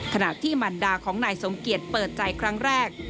ขณะที่มันดาของนายสมเกียจเปิดใจครั้งแรก